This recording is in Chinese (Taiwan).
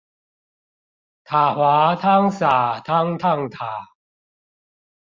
塔滑湯灑湯燙塔